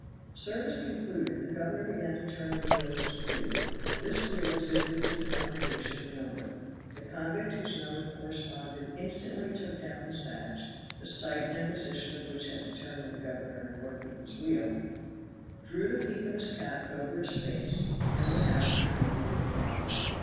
Service concluded, the governor began to turn a wheel in his pew; this wheel exhibited to the congregation a number, the convict whose number corresponded instantly took down his badge (the sight and position of which had determined the governor in working his wheel), drew the peak of his cap over his face, and went out and waited in the lobby.